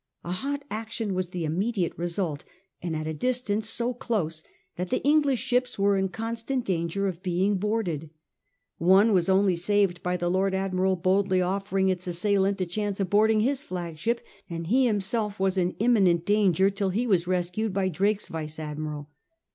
A hot action was the immediate result, and at a distance so close that the English ships were in constant danger of being boarded. One was only saved by the Lord Admiral boldly offering its assailant a chance of boarding his flagship, and he himself was in imminent danger till he was rescued by Drake's vice admiral.